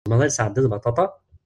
Tzemreḍ ad yid-tesɛeddiḍ baṭaṭa?